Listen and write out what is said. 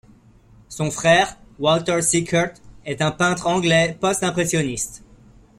Son frère, Walter Sickert est un peintre anglais postimpressionniste.